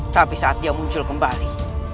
tapi saat dia muncul kembali